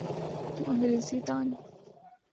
تو انگریزی دان۔